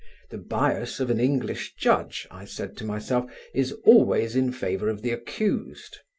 The bias of an English judge, I said to myself, is always in favour of the accused.